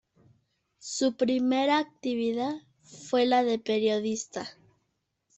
Su primera actividad fue la de periodista.